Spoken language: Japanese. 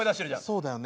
そうだよね。